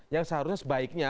yang seharusnya sebaiknya